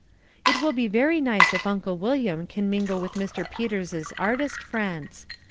It will be very nice if Uncle William can mingle with Mr. Peters's artist friends.